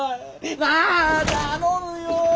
なあ頼むよ！